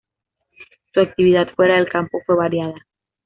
Su actividad fuera del campo fue variada.